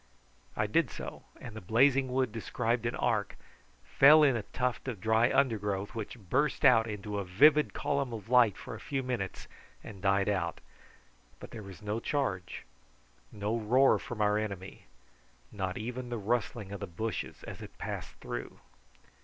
I did so, and the blazing wood described an arc, fell in a tuft of dry undergrowth which burst out into a vivid column of light for a few minutes and died out, but there was no charge, no roar from our enemy, not even the rustling of the bushes as it passed through.